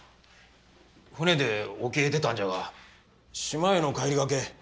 舟で沖へ出たんじゃが島への帰りがけ